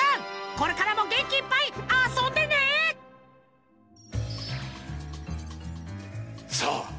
これからもげんきいっぱいあそんでねさあ